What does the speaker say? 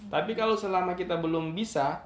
tapi kalau selama kita belum bisa